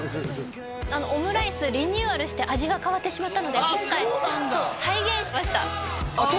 オムライスリニューアルして味が変わってしまったので今回再現しましたあっ！